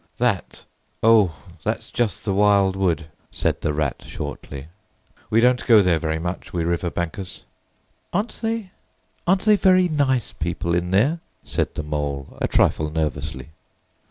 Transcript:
"That? O, that's just the Wild Wood," said the Rat shortly. "We don't go there very much, we river bankers." "Aren't they—aren't they very nice people in there?" said the Mole, a trifle nervously.